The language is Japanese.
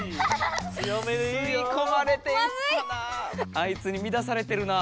あいつにみだされてるなぁ。